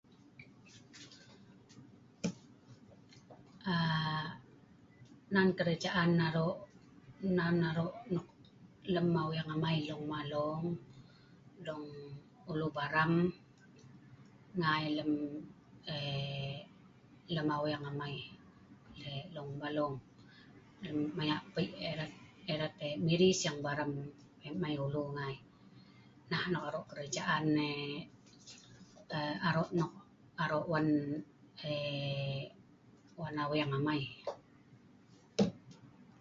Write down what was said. A....nan kerajaan nan aro'lem aweng amai dong ulu Baram ngai lem a..lemawengamai long Balong, Maya pei erat Miri sing Baram mai ulu ngai anok aro' kerajaan a...aro' nok aro'a...wan aweng amai..